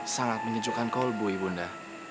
sangat menyejukkan kau bu ibu bunda